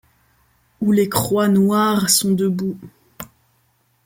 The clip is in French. Où les croix noires sont debout…